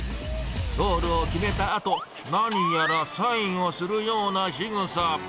ゴールを決めたあと、何やらサインをするようなしぐさ。